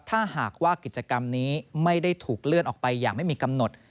ถ้าหากว่ากิจกรรมนี้ไม่ได้ถูกเลื่อนออกไปอย่างไม่มีกำหนด